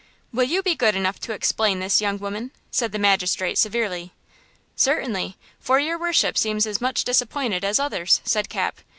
"Will you be good enough to explain this, young woman?" said the magistrate, severely. "Certainly, for your worship seems as much disappointed as others!" said Cap.